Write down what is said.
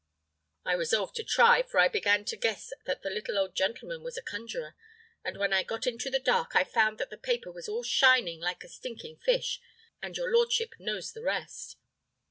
I resolved to try, for I began to guess that the little old gentleman was a conjuror; and when I got into the dark, I found that the paper was all shining like a stinking fish; and your lordship knows the rest."